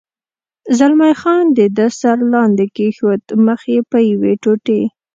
زلمی خان د ده سر لاندې کېښود، مخ یې په یوې ټوټې.